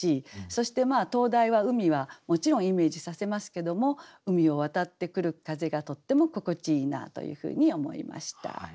そして灯台は海はもちろんイメージさせますけども海を渡ってくる風がとっても心地いいなというふうに思いました。